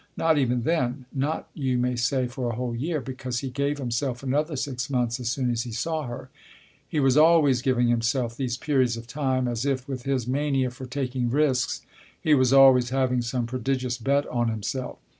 Not even then. Not, you may say, for a whole year ; because he gave himself another six months as soon as he saw her. He was always giving himself these periods of time, as if, with his mania for taking risks, he was always having some prodigious bet on himself.